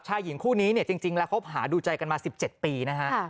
ชายหญิงคู่นี้จริงแล้วเขาหาดูใจกันมา๑๗ปีนะฮะ